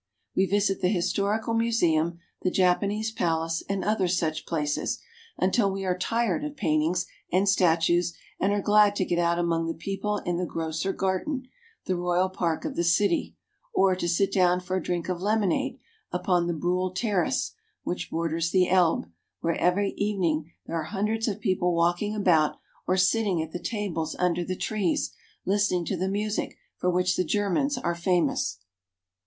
We visit the Historical Museum, the Japanese Palace, and other such places, until we are tired of paintings and statues, and are glad to get out among the people in the Grosser Garten, the royal park of the city, or to sit down for a drink of lemonade upon the Briihl Terrace, which borders the Elbe, where every evening there are hundreds Museum, Leipsig. of people walking about or sitting at the tables under the trees, listening to the music for which the Germans are famous.